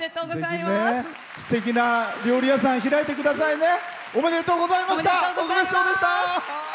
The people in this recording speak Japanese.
すてきな料理屋さん開いてくださいね。